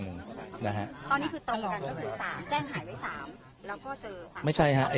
ตอนนี้คือตะห่วงกันก็ถือ๓แจ้งหายไว้๓แล้วก็เจอ